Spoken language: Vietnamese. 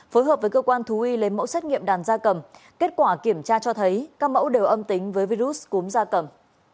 phối hợp với cơ quan thú y lấy mẫu xét nghiệm đàn da cầm kết quả kiểm tra cho thấy các mẫu đều âm tính với virus cúm da cầm